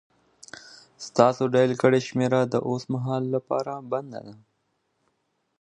ستاسو ډائل کړې شمېره د اوس مهال لپاره بنده ده